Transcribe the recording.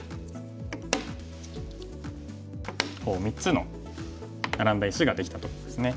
こう３つのナラんだ石ができたとこですね。